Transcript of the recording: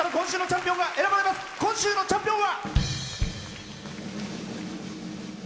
今週のチャンピオンは。